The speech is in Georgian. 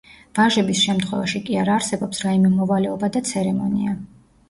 ვაჟების შემთხვევაში კი არ არსებობს რაიმე მოვალეობა და ცერემონია.